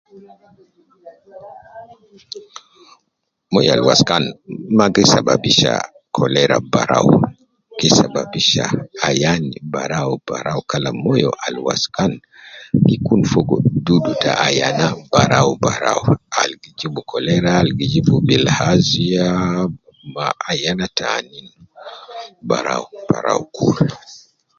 Moyo al waskan ma gi sababisha cholera barau, gi sababisha ayan barau barau kalam moyo al waskan gi kun fogo dudu te ayana barau barau al gi jib cholera, al gi jib bilharzia ma ayana tanin barau barau kul